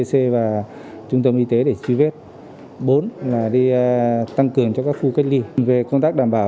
các cán bộ tăng cường